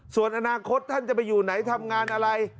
ส่วนอนาคตท่านจะไปอยู่ไหนทำงานอะไร